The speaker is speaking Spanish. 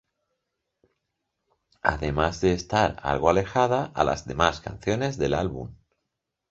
Además de estar algo alejada a las demás canciones del álbum.